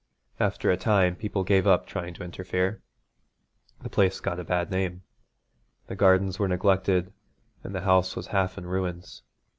After a time people gave up trying to interfere. The place got a bad name. The gardens were neglected and the house was half in ruins.